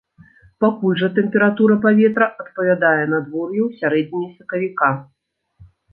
Пакуль жа тэмпература паветра адпавядае надвор'ю ў сярэдзіне сакавіка.